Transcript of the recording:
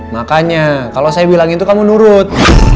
makanya kalau saya bilang itu kamu nurut